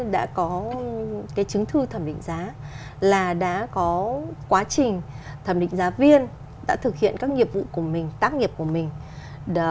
đã có cái chứng thư thẩm định giá là đã có quá trình thẩm định giá viên đã thực hiện các nghiệp vụ của mình tác nghiệp của mình